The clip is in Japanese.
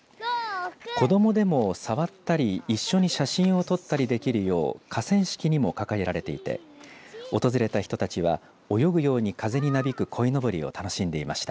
子どもでも触ったり一緒に写真を撮ったりできるよう河川敷にも掲げられていて訪れた人たちは泳ぐように風になびくこいのぼりを楽しんでいました。